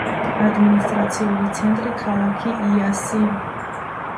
ადმინისტრაციული ცენტრი ქალაქი იასი.